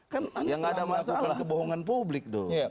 kan enggak ada masalah kebohongan publik loh